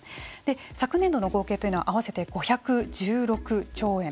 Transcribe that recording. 昨年度の合計というのは合わせて５１６兆円。